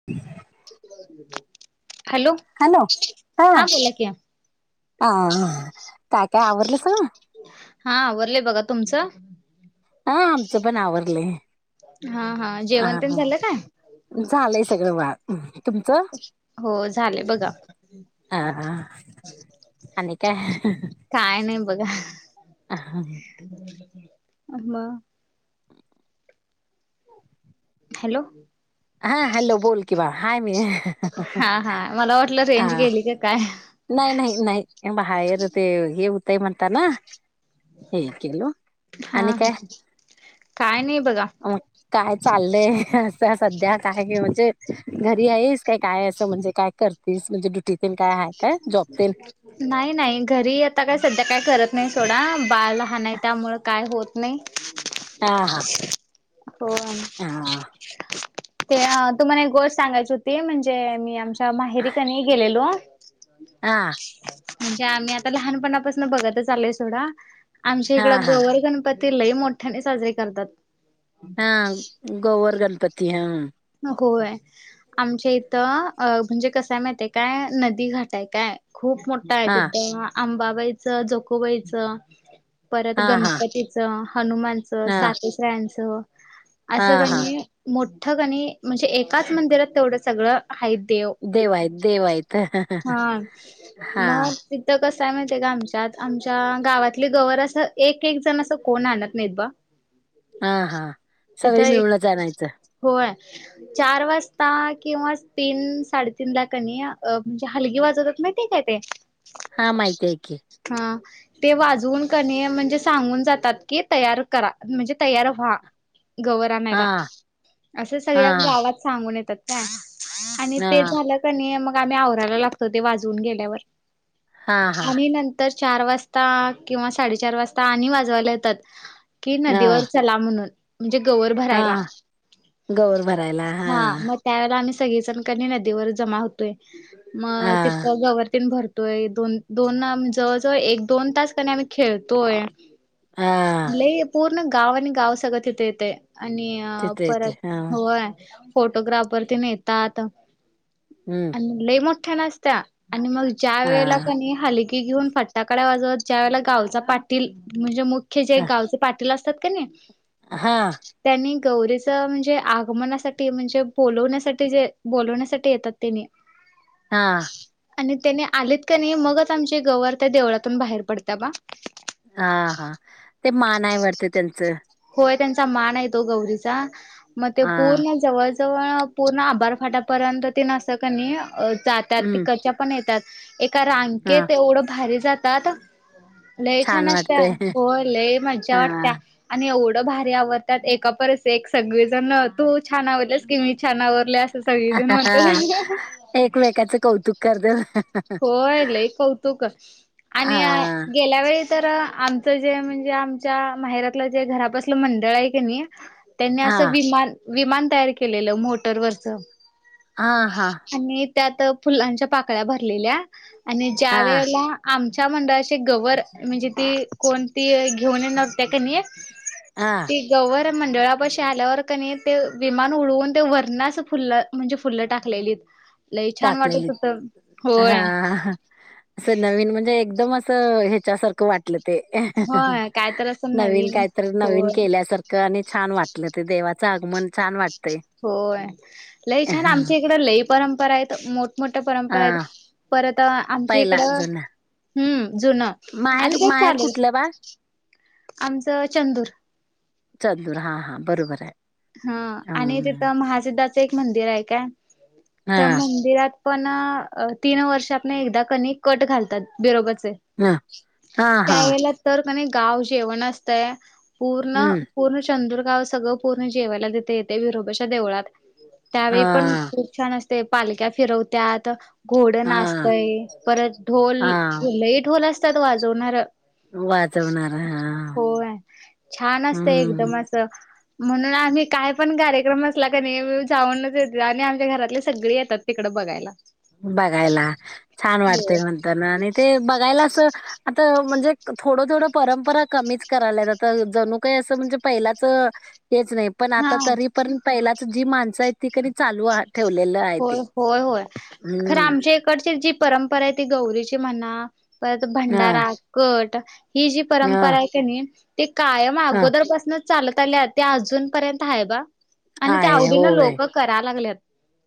[inaudible] Hello. Hello हा बोला की हा.. काय काय आवरलंसा. हा, आवरलंय बघा तुमचं? हाँ आमचं पण आवरलंय. हा हा जेवण तेन झालं काय? झालंय सगळं वा तुमचं? हो झाले बघा हा हा आणि काय? काय नाही बघा. ह हां. मग? हॅलो. हा हॅलो बोल कि बा हाय मी हा हा, मला वाटलं हा रेंज गेली का काय? नाही, नाही, नाही, बाहेर ते हे होतयं म्हणता ना हे केलो. हा आणि काय, हा काय नाही बघा मग काय चाललंय? आत्ता सध्या काय म्हणजे घरी हाईस काय काय असं म्हणजे काय करतीस म्हणजे ड्युटीतेण काय हाय? नाही नाही, घरी आता काय सध्या काय करत नाही सोडा बाळ लहान आहे त्यामुळं काय होत नाही. हा हा. होय. हा ते तुम्हाला एक गोष्ट सांगायची होती म्हणजे मी आमच्या माहेरी कनी गेलेलो हां. म्हणजे आम्ही आता लहानपणापसणं बघतच आलोय सोडा आमच्या इकडं हा हा गोवर गणपती ते लई मोठ्याने साजरीे करतात. हाँ गोवरगणपती हा. नको होय. आमच्या इथं अ म्हणजे कसाय म्हायताय काय नदी घाट आहे काय खूप मोठ काय हा तिथं आंबाबाईचं, जोकोबाईच परत हा हा गणपती हनुमानच, हा सातेसरांच, अस हा हा कणी, मोठ कणी म्हणजे एकाच मंदिरात तेवढं सगळं हायीत देव, आहेत देव आहेत हा, हा मग तिथं कसय माहितीये का आमच्यात, आमच्या गावातली गवर असं, एक एक जण असं कोण आणत नाहीत बा. हा हा, तिथं सगळी एक मिळूनच आणायच. होय. [inaudible] चार वाजता, किंवा तीन साडेतीनला कनी, म्हणजे हलगी वाजवतात माहितीये काय ते? हा, माहितीये की. हा. ते वाजवून कनी, म्हणजे सांगून जातात, की तयार करा, म्हणजे तयार व्हा. गवर हा आणायला. असं हा सगळ्या गावात सांगून येतात काय, आणि हा ते झालं मग आम्ही आवराला लागतो, ते वाजून गेल्यावर. हा हा आणि नंत तर चार वाजता, किंवा साडेचार वाजता, आणि वाजवायला येतात. कि हा नदीवर चला म्हणून, म्हणजे गवर भरायला. हा गौर भरायला हा, मग त्यावेळेला आम्ही सगळीजण कनी नदीवर जमा होतोय, हा मग तिथं गवर तेन भरत दोन, दोन जवळ जवळ एक दोन तास कनी आम्ही खेळतोय. हा लई, पूर्ण गाव आणि गाव सगळं तिथं येतय, आणि तिथे येते परत हा व्हय, फोटोग्राफर तेन येतात. हम्म! लई मोठ्यान आसत्या, आणि मग ज्या हा वेळेला कनी हालकि घेऊन फटाकड्या वाजवत ज्या वेळेला गावचा पाटील, म्हणजे मुख्य जे हा गावचे पाटील पाटील असतात क नई हा. त्यांनी गौरीचं म्हणजे आगमनासाठी, म्हणजे बोलवण्यासाठी जे, बोलवण्यासाठी येतात तेनी. हा. आणि त्याने आलेत क नाही, मगचं आमची गवर त्या देवळातून बाहेर पडत्या बा. हा हा, ते मान आहे वाटत त्यांचं? होय, त्यांचा मान आहे तो गौरीचा, मग ते हा पूर्ण जवळ जवळ, पूर्ण आभार फाट्यापर्यंत तेन अस कनी जात्यात, हम्म ति पण येतात, एका हा रांगेत एवढं भारी जातात लई छान असत्या, होय, लई मज्जा हा वाटत्या. आणि एवढं भारी आवरत्यात, एका परस एक, सगळेजणं तू छान आवरल्यासं काय मी छान आवरले, असं सगळीजण हा म्हणत्यात. एकमेकाचं कौतुक करतात होय, लय कौतुक, हा आणि गेल्या वेळेस तर आमचं जे, म्हणजे आमच्या माहेरातलं जे घरापसलं मंडळ आहे का नई त्यांनी हा असं विमान, विमान तयार केलेलं मोटरवरचं. हा हा आणि त्यात फुलांच्या पाकळ्या भरलेल्या, आणि ज्या हा वेळेला आमच्या मंडळाची गवर, म्हणजे ती कोणती घेऊन येणार होत्या कनी हा. ती गवर मंडळापाशी आल्यावर क नई, ते विमान उडवून ते वरण अस फुललं म्हणजे फुलं टाकलेलीत, लई छान वाटत टाकलेली होतं, हा होय. असं नवीन म्हणजे एकदम असं ह्येच्यासारखं वाट वाटल ते होय काय तर असं नवीन काय तर नवीन होय केल्यासार क आणि छान वाटलं ते देवाचं आगमन छान वाट होय लई छान आमच्या इकड लई परंपरा आहेत मोठं मोठ्या परंपरा हायत हा, परत आमच्या पहिला इकडं जुना हम्म जुनं माहेर आणि काय माहेर चालू ये कुठलं बा आमचं चंदूर चंदूर हां हां बरोबर हाय. हा आणि तिथं महासिद्धाचं एक मंदिर हाय काय हा त्या मंदिरात पण तीन वर्ष आपण एकदा कनी कट घालतात बिरोबाचे हा हा हा त्यायेळेला तर कणी गाव जेवण असतयं पूर्ण हम्म. पूर्ण चंदुरगाव सगळं पूर्ण जेवायला तिथं येतय बिरोबाच्या देवळात हा त्यावेळी पण खूप छान असतय पालक्या फिरवत्याात घोडं हा नाचतयं परत ढोल हा लई ढोल असत्यात वाजवणारं वाजवणार हा होय छान असतय हम्म एकदम असं म्हणून आम्ही काय पण कार्यक्रम असला कनी जाऊनच येते आणि आमच्या घरातले सगळी येतात तिकडं बघायला बघायला छान हो. वाटतय म्हणतांना आणि ते बघायला असं आता म्हणजे थोडं थोडं परंपरा कमीच करायल्यात आता जणू काय असं म्हणजे पहिलाच हेच नाय पण आता हा. तरी परीन पहिलाच जी माणसं आहेत ती कनी चालू ठेवलेलं हाय ते होय होय होय खरं हम्म आमच्या इकडची जी परंपरा हाय ती गौरीची म्हणा परत हा भंडारा कट ही जी परंपरा हा हाय क नी ती कायम म हा अगोदर पाासनचं चालत आल्यात ते अजून पर्यंत हाय बा आणि आवडीन लोक करा लागल्यात.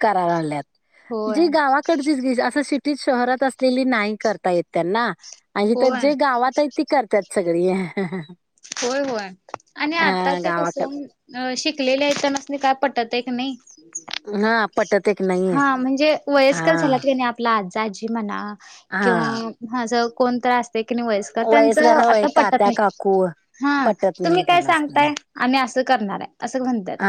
करालाल्यात होय जी गावाकडचीचं गी असं सी ती शहरात असलेली नाही करता येत त्यांना आणि जिथ होय जे गावात हाईत ती करतात. सगळी होय होय आणि आता हा चे गावाकड कसं अ शिकलेले आहेत त्यानंसनी काय पटत एक नय हा पटत एक नाहीये हा म्हणजे वयस्कर हा. झाल्यात किनय आप आपल आज्ज आजी म्हणा हा किंवा कोण तर अस हाय की नय वयस्कर त्यांच आता पटत नाय कुव हा तुम्ही काय सांगताय आम्ही असं करणार हाय असं म्हणत्यात हा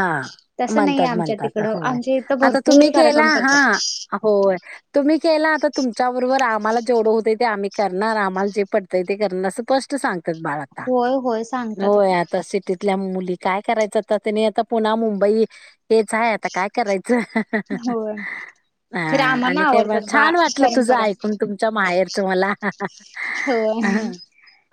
तसं नाई म्हणतात आमच्या म्हणतात तिकडं होय आमच्या इथं भरपूर कार्यक्रम करत्यात. आ होय. तुम्ही केला आता तुमच्याबरोबर आम्हाला जेवढं होतंय ते आम्ही करणार आम्हाला जे पटतंय ते करणार अस स्पष् ष्ट सांगतात बाळ आता होय होय सांगतात. होय आता सीट तिथल्या मुली काय करायचं आता त्यानी आता पुन्हा मुंबई हेच हाय आता काय करायचं होय. हा खरं आम्हाना आणि काय आवडतात बा छान वाटलं तुझं परंपरा ऐकून तुमच्या माहेरचं मला होय. हा.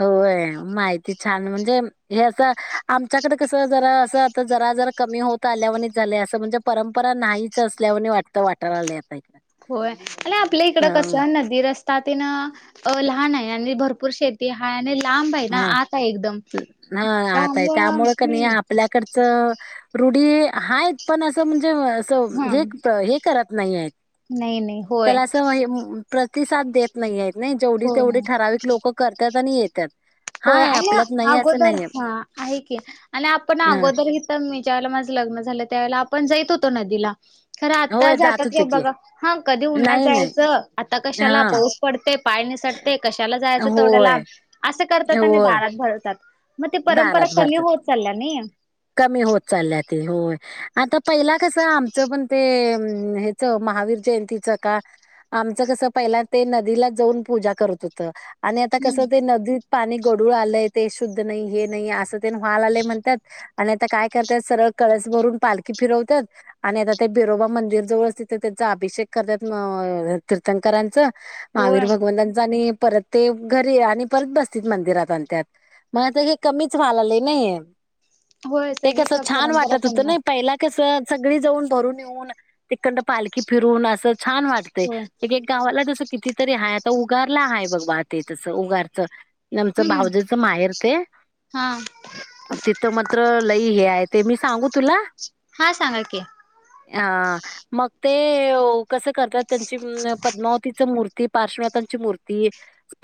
होय माहिती छान म्हणजे हे असं आमच्याकड कस जरा असं त जरा जरा कमी होत आल्यावाणीच झालय असं म्हणजे परंपरा नाहीच असल्यावाणी वाटतं वाटालाल आता इकड होय आणि आपल्या इकडं कस नदी रस्ता तिन अ लहान हाय आणि भरपूर शेत ते हाय आणि लांब हाय ना हा आता हाय एकदम त्यामुळं हूं आपल्याकडच, रुढी हायत पण असं म्हणजे, असं हा हे करत नाहीयेत, नाही नाही होय त्याला अस प्रतिसाद देत नाहीेयेत नाही, जेवढी तेवढी होय. ठराविक लोक करतात आणि ये होय, आन, अगोदर नाहीये हा, आहे की. आणि आपण अ अगोदर ह मी ज्या वळेला माझं लग्न झालं, त्यावेळेला आपण जाईत होतो नदीला खरं आता होय जातात जात का होते की बघा, हा, कधी उन्हात नाही नाही जायचं, आता हा कशाला पा पडतय, पाय निसटतय, कशाला जायचं तेवढ्या होय लांब असं करतात, आणि होय दारात भरतात. मग ती परंपरा दारात कमी भरतात होत चालल्या नई. कमी होत चालल्या ते होय, आता पहिला कसं आमचं पण ते महावीर जयंतीच का, आमचं कस पहिला ते नदीला जाऊन पूजा करत होत. आणि आता कसं हम्म ते नदीत पाणी गडूळ आलंय, ते शुद्ध नाही, हे नाही, असं ते चालालय म्हणतात. आणि आता काय करतात, सरळ कळस भरून पालखी फिरवत्यात आणि आता ते बिरोबा मंदिर जवळच, तिथे त्यांचा अभिषेक करतात, तीर्थंकरांचं. होय महावीर भगवंतांचा आणि परत ते घरी आणि, परत बसतील मंदिरात आणत्यात, मग आता हे कमीच व्हालालय नाही. होय ते सगळी कसं छान परंपरा वाटत होतं कमी नई, पहिला कस, सगळी जाऊन भरून येऊन, तिकंड पालखी फिरून, असं छान वाटतय, होय एक गावाला तस कितीतरी हाय, आता उगारला हाय बघ बाळ ते तसं, उगारच. आमचं हम्म भाऊजेच माहेर ते हा तिथं मात्र लई हे आहे, ते मी सांगू तुला हां, सांगा की. अ, मग ते कसं करत्यात त्यांची पद्मावतीच मूर्ती, पार्श्वनाथांची मूर्ती,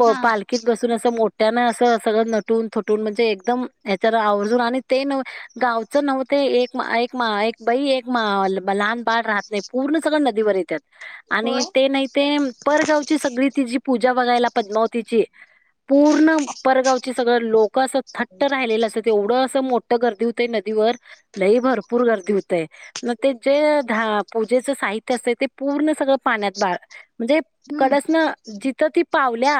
हा पालखीत बस मोठ्यान असं, सगळं नटून थुटून, म्हणजे एकदम हच्यान आवर्जून आणि ते न गावचं नव्हतं ते, एक बाई एक लहान बाळ राहत नाही, पूर्ण सगळं नदीवर येत्यात. होय आणि ते नाही ते परगावची सगळी तिजी पूजा बघायला पद्मावतीची, पूर्ण परगाव सगळं लोक असं थट्ट राहिलेलं असंत्यात, तेवढं असं मोठं गर्दी होतय नदीवर लई भरपूर गर्दी होतय. मग ते जे पूजेच साहित्य असतंय, ते पूर्ण सगळं पाण्यात म्हणजे हम्म कडसणं, जिथं ती पावल्या,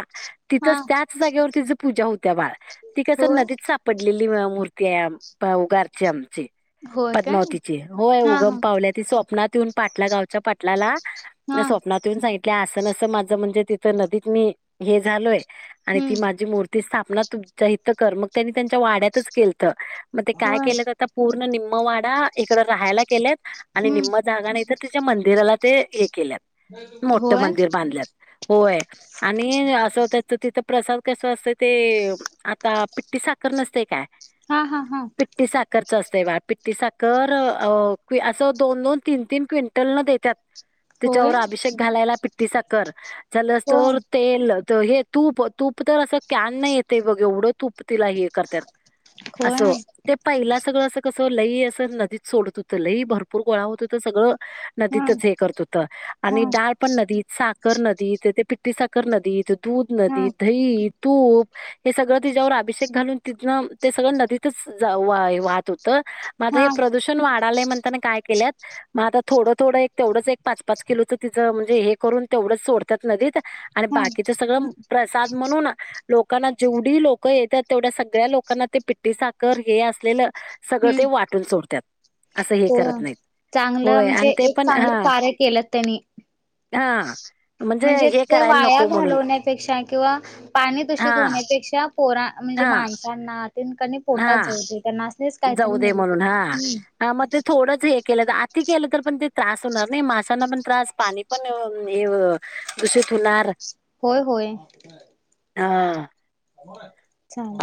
हा तिथंच त्याच जागेवरती पूजा होत्या बाळ, ती कसं होय नदीत सापडलेली मूर्ती आहे पाऊ-गारची आमची. होय काय पद्मावतीची, होय, हा उगम हा पावल्या ती स्वप्नात येऊन पाटला गावच्या पाटलाला हा स्वप्नात येऊन सांगितल्या, अस, नसं माझं म्हणजे तिथं नदीत मी हे झालोय. आणि हम्म ती माझी मूर्ती स्थापना, तुमच्या हित कर, मग त्यांनी त्यांच्या वाड्यातच केलतं. मग ते काय होय केल्यात आता, पूर्ण निम्म-वाडा, इकडं राहायला केल्यात, आणि हम्म निम्म जागा नाहीतर तिच्या मंदिराला ते, हे केल्यात. मोठ होय मंदिर बांधल्यात, होय, आणि असं त तर तिथं प्रसाद कस असतय ते, आता पिठ्टी साखर नसतय काय हा हा हा. पिट्टी साखरच असतंय बाळ, पिट्टी साखर असं दोन -, तीन-तीन क्विंटलन देत्यात. त्याच्या- होय वर अभिषेक घालायला पिट्ठी साखर, होय [unintelligible] तेल, हे तूप, तूप तर असं कॅन येतेय बघ एवढं तुप तिला हे करत्यात, होय असं ते पाहिला सगळं असं कसं लई असं नदीत सोडत होतं, लई भरपूर गोळा होतात सगळं हा हा नदीतच हे करत होतं हा आणि डाळ पण नदीत, साखर नदीत ते पिट्ठी साखर नदीत दुध हा नदीत दहीत तूप हे सगळं तिच्यावर अभिषेक घालून तिथंन ते सगळं नदीतच जा वा वाहत होत. त मात्र हे प्रदूषण वाढालंय म्हणताना काय केलंत म आता थोडं-थोडं एक तेवढंच एक पाच-पाच किलोचं तिचं म्हणजे हे करून तेवढंच सोडतात नदीत आणि हा बाकीच सगळं प्रसाद म्हणून लोकांना जेवढी लोकं येतात तेवढ्या सगळ्या लोकांना ते पिट्ठी सा कर हे असलेलं सगळं हम्म ते वाटून सोडतात. असं हे करत होय नाहीत. चांगलं होय म्हणजे आणि ते एक पण ह चांगलं कार्य केलं त्यांनी हा. म्हणजे ते वाया घालवण्या पेक्षा किंवा पाणी दूषित हां, होण्या-पेक्षा पोरा म्हणजे हां, माणसांना त्यान कणी पोटात हां. जाऊदे त्यांना असच काहीतरी जाऊ मिळू म्हणून दे. हा. हा मग ते थोडंच हे केलं तर अती केलं तर पण ते त्रास होणार नाही माशांना पण त्रास पाणी पण हे अ दूषित होणार होय होय. हा. होय.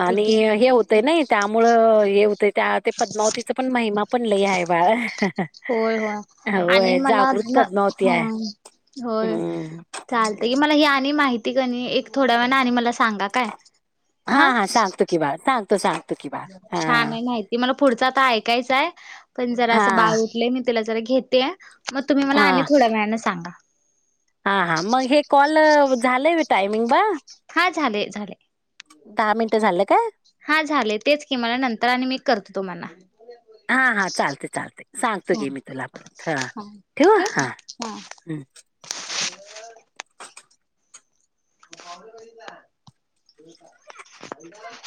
आणि हे होतय नईत त्यामुळ अ हे होतें, त्या ते पद्मावतीचा पण महिमा पण लय आहे बाळ होय-होय आणि होय मला आज जागृत नं पद्मावती आहे. हम्म होय. हम्म चालत की मला ही आणि माहिती की नई एक थोड्या वेळा आणि मला सांगा काय हा हा-हा सांगतो कि बाळ सांगतो सांगतो की बाळ हा छान आहे माहित ते मला पुढचं आता ऐकायचंय पण हा जरासं बाळ उठले मी तिला जरा घेते. मग तुम्ही मला आणि थोड्या वेळाने सांगा हा-हा मग हे कॉल झालंय वे टायमिंग बा हा झाले-झाले दहा मिनटं झालं काय? हा झाले तेच की मला नंतर आणि मी करते तुम्हाला हा-हा चालते-चालते सांगतो हा की मी तुला परत हा ठेऊ ठेवू हा काय हा [inaudible] ॉब ए [unintelligible]